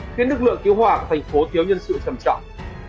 khiến lực lượng cứu hỏa của thành phố thiếu nhân sự trầm trọng